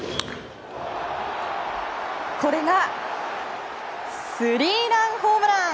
これがスリーランホームラン！